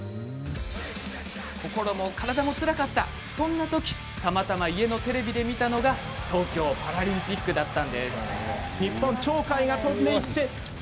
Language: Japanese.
心も体もつらかったそんな時たまたま家のテレビで見たのが東京パラリンピックでした。